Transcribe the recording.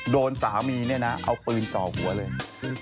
โดนสามีเนี่ยนะเอาปืนจ่อหัวเลย